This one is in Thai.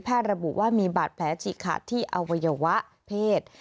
ระบุว่ามีบาดแผลฉีกขาดที่อวัยวะเพศ